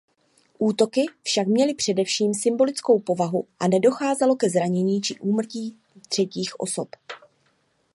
Útoky však měly především symbolickou povahu a nedocházelo ke zraněním či úmrtím třetích osob.